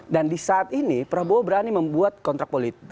dan di saat ini prabowo berani membuat sepuluh poin kontrak politik